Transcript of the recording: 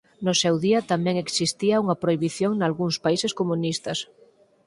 No seu día tamén existía unha prohibición nalgúns países comunistas.